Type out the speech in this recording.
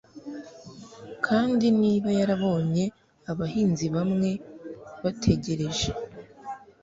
kandi niba yarabonye abahinzi bamwe bategereje